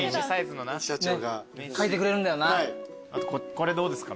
これどうですか？